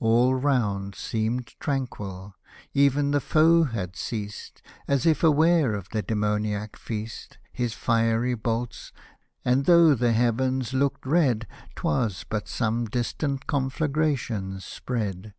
All round seemed tranquil — ev'n the foe had ceased, As if aware of the demoniac feast. His fiery bolts ; and though the heavens looked red, Twas but some distant conflagration's spread.